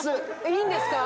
いいんですか？